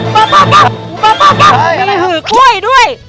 มีหือกล้วยด้วย